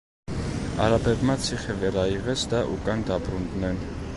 არაბებმა ციხე ვერ აიღეს და უკან დაბრუნდნენ.